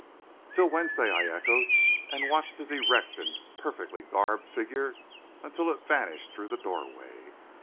"Till Wednesday," I echoed, and watched his erect and perfectly garbed figure until it vanished through the doorway.